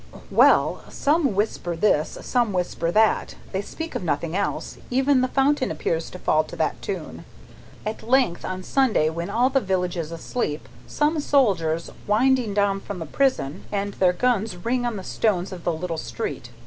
"Well! Some whisper this, some whisper that; they speak of nothing else; even the fountain appears to fall to that tune. At length, on Sunday night when all the village is asleep, come soldiers, winding down from the prison, and their guns ring on the stones of the little street.